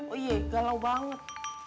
oh iya galau banget